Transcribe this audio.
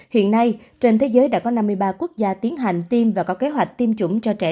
hiện nay trên thế giới đã có năm mươi ba quốc gia tiến hành tiêm và có kế hoạch tiêm chủng cho trẻ